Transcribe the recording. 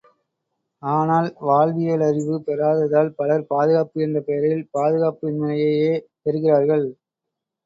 ஆனால் வாழ்வியலறிவு பெறாததால் பலர் பாதுகாப்பு என்ற பெயரில் பாதுகாப்பின்மையையே பெறுகிறார்கள்.